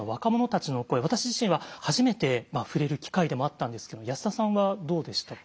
私自身は初めて触れる機会でもあったんですけど安田さんはどうでしたか？